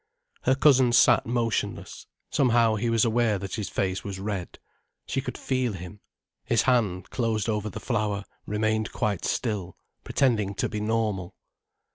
Her cousin sat motionless. Somehow he was aware that his face was red. She could feel him. His hand, closed over the flower, remained quite still, pretending to be normal.